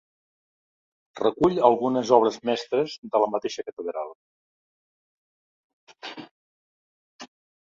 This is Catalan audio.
Recull algunes obres mestres de la mateixa catedral.